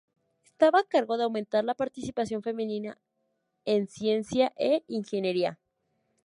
Estaba a cargo de aumentar la participación femenina en ciencia e ingeniería.